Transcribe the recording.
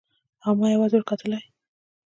او ما يوازې ورته کتلای.